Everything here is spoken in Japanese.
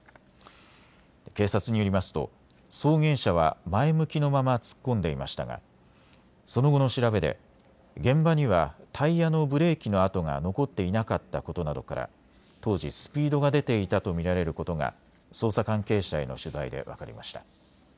警察によりますと送迎車は前向きのまま突っ込んでいましたがその後の調べで現場にはタイヤのブレーキの跡が残っていなかったことなどから当時、スピードが出ていたと見られることが捜査関係者への取材で分かりました。